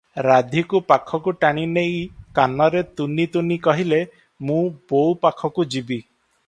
ରାଧୀକୁ ପାଖକୁ ଟାଣି ନେଇ କାନରେ ତୁନି ତୁନି କହିଲେ, "ମୁଁ ବୋଉ ପାଖକୁ ଯିବି ।"